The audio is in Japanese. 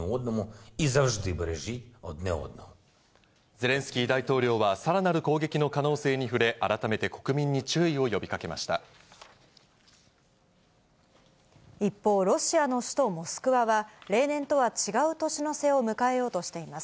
ゼレンスキー大統領はさらなる攻撃の可能性に触れ、改めて国民に一方、ロシアの首都モスクワは、例年とは違う年の瀬を迎えようとしています。